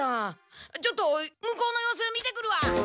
ちょっと向こうの様子見てくるわ！